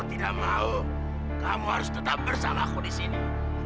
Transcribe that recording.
mau tidak mau kamu harus tetap bersama aku di sini